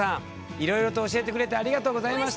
いろいろと教えてくれてありがとうございました。